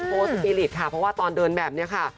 สปีริตค่ะเพราะว่าตอนเดินแบบนี้ค่ะ